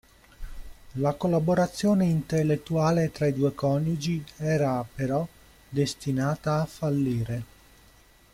La collaborazione intellettuale tra i due coniugi era, però, destinata a fallire.